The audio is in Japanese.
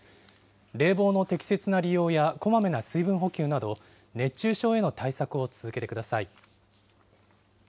冷房の適切な利用やこまめな水分補給など、熱中症への対策を続けてください。